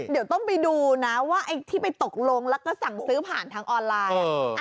เดี๋ยวต้องไปดูนะว่าไอ้ที่ไปตกลงแล้วก็สั่งซื้อผ่านทางออนไลน์